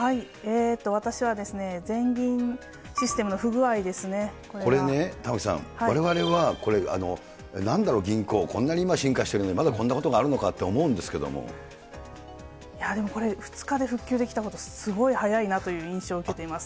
私は全銀システムの不具合でこれね、玉城さん、われわれは、これ、なんだろう、銀行、こんなに今、進化しているのに、まだこんなことがあるのかと思うんですけれどでもこれ、２日で復旧できたことすごい早いなという印象を受けています。